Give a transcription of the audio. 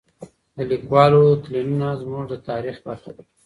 د لیکوالو تلینونه زموږ د تاریخ برخه ده.